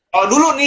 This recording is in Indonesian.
kalau dulu nih